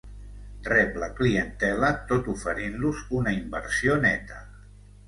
Rep la clientela tot oferint-los una inversió neta.